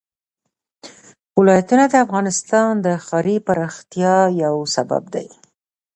ولایتونه د افغانستان د ښاري پراختیا یو سبب دی.